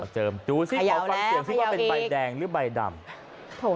เจิมดูสิขอฟังเสียงว่าเป็นใบแดงหรือใบดำขย่าวแล้วขย่าวอีก